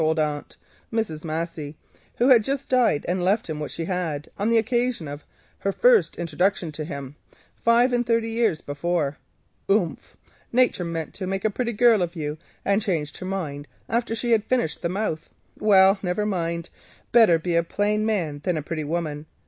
"Umph," said his old aunt, Mrs. Massey (who had just died and left him what she possessed), on the occasion of her first introduction to him five and thirty years before, "Umph! Nature meant to make a pretty girl of you, and changed her mind after she had finished the mouth. Well, never mind, better be a plain man than a pretty woman.